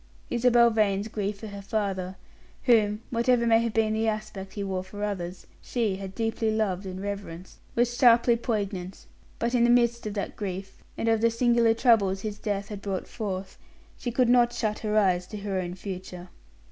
Isabel Vane's grief for her father whom, whatever may have been the aspect he wore for others, she had deeply loved and reverenced was sharply poignant; but in the midst of that grief, and of the singular troubles his death had brought forth, she could not shut her eyes to her own future.